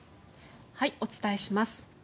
お伝えします。